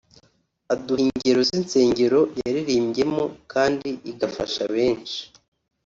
aduha ingero z’insengero yayiririmbyemo kandi igafashe benshi